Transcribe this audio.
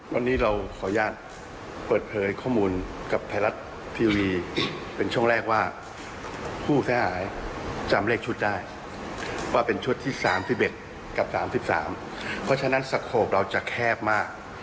วันนี้เราขออนุญาตเปิดเผยข้อมูลกับไทยรัฐทีวีเป็นช่วงแรกว่าผู้เสียหายจำเลขชุดได้ว่าเป็นชุดที่๓๑กับ๓๓เพราะฉะนั้นสโขปเราจะแคบมาก